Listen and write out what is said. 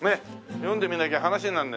読んでみなきゃ話になんない。